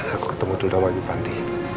aku ketemu dulu sama ibu panti